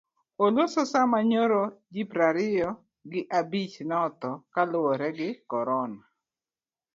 Oloso sama nyoro ji piero ariyo gi abich ne otho kaluwore gi korona.